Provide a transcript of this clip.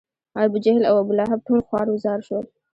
ابوجهل او ابولهب ټول خوار و زار شول.